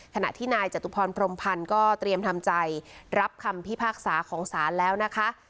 ขณะที่นายจตุพรพรมพันธ์ก็เตรียมทำใจรับคำพิพากษาของศาลแล้วนะคะ